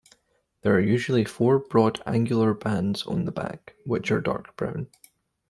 There are usually four broad angular bands on the back which are dark brown.